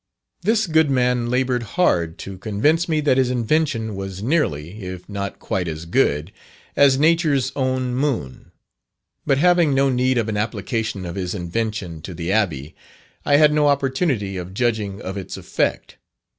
This good man laboured hard to convince me that his invention was nearly, if not quite as good, as Nature's own moon. But having no need of an application of his invention to the Abbey, I had no opportunity of judging of its effect.